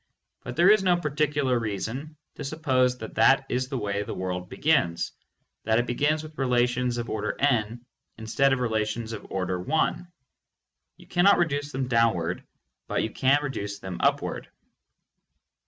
But there is no particular reason to suppose that that is the way the world begins, that it begins with relations of order n instead of relations of order 1. You cannot reduce them downward, but you can reduce them upward.